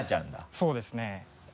そうですね。